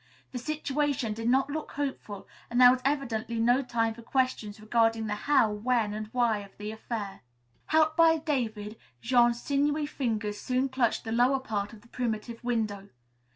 The situation did not look hopeful and there was evidently no time for questions regarding the how, when and why of the affair. Helped by David, Jean's sinewy fingers soon clutched the lower part of the primitive window.